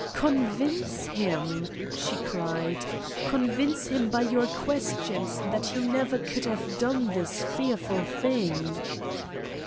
"Convince him!" she cried. "Convince him by your questions that he never could have done this fearful thing."